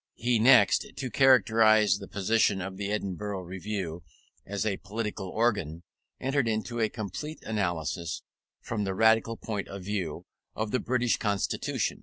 He next, to characterize the position of the Edinburgh Review as a political organ, entered into a complete analysis, from the Radical point of view, of the British Constitution.